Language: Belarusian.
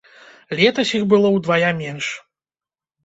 Летась іх было ўдвая менш.